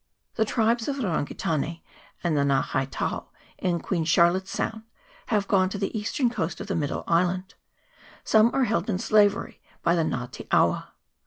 The tribes of the Rangitane and Nga hei tao, in Queen Char lotte's Sound, have gone to the eastern coast of the middle island : some are held in slavery by the Nga te awa.